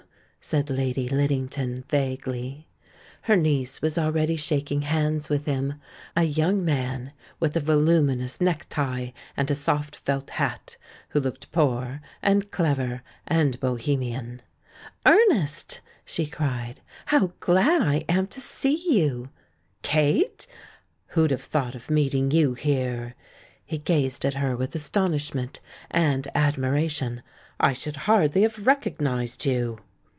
said Lady Liddington, vaguely. Her niece was already shaking hands with him — a young man with a voluminous necktie and a soft felt hat, who looked poor and clever and bo hemian. "Ernest," she cried, "how glad I am to see I" you! "Kate ! Who'd have thought of meeting you here!" He gazed at her with astonishment and admiration. "I should hardly have recognised you."